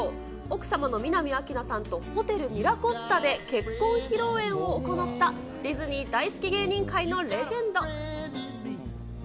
奥様の南明奈さんとホテル・ミラコスタで結婚披露宴を行った、ディズニー大好き芸人界のレジェンド。